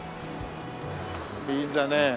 みんなね。